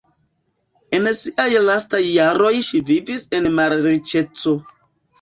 En siaj lastaj jaroj ŝi vivis en malriĉeco.